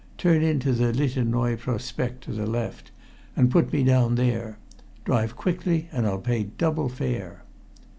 Turn into the Liteinoi Prospect to the left, and put me down there. Drive quickly, and I'll pay double fare."